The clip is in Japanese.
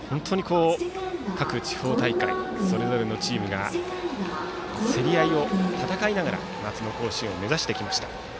各地方大会それぞれのチームが競り合いを戦いながら夏の甲子園を目指してきました。